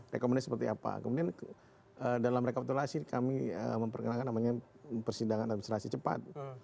rekomendasi seperti apa kemudian dalam rekapitulasi kami memperkenalkan namanya persidangan administrasi cepat